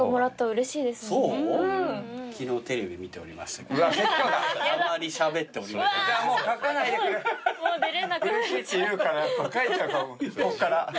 うれしいって言うから書いちゃうかもこっから。